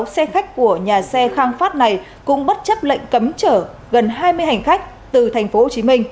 sáu xe khách của nhà xe khang phát này cũng bất chấp lệnh cấm chở gần hai mươi hành khách từ tp hcm